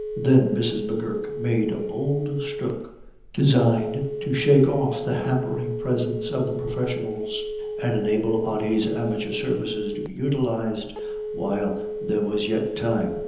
Then Mrs. M'Gurk made a bold stroke, designed to shake off the hampering presence of the professionals, and enable Ody's amateur services to be utilized while there was yet time.